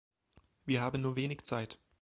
Wir haben nur wenig Zeit.